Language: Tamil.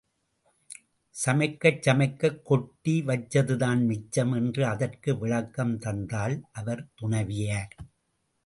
சமைக்கச் சமைக்கக் கொட்டி வச்சதுதான் மிச்சம் என்று அதற்கு விளக்கம் தந்தாள் அவர் துணைவியார்.